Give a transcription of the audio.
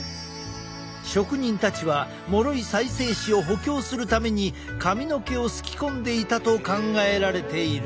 職人たちはもろい再生紙を補強するために髪の毛をすきこんでいたと考えられている。